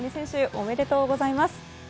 おめでとうございます。